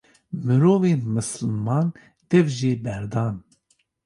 mirovên misliman dev jê berdan.